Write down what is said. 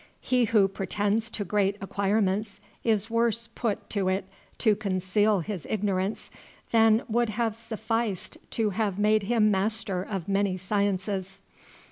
He who pretends to great acquirements is worse put to it to conceal his ignorance than would have sufficed to have made him master of many sciences.